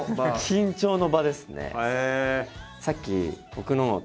緊張の場ですね。